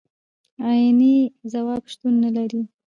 عيني ځواب شتون نه لري.